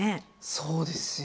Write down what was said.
そうですよ。